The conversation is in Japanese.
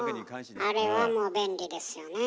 あれはもう便利ですよね。